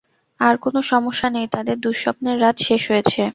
আর কোনো সমস্যা নেই, তাদের দুঃস্বপ্নের রাত শেষ হয়েছে।